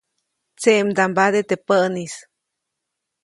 Tseʼmdambade teʼ päʼnis.